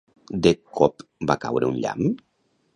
De cop va caure un llamp?